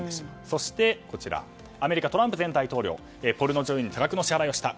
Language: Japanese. そして、アメリカトランプ前大統領ポルノ女優に多額の支払いをした。